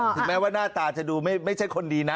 ถึงแม้ว่าหน้าตาจะดูไม่ใช่คนดีนะ